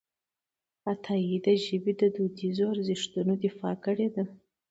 عطایي د ژبې د دودیزو ارزښتونو دفاع کړې ده.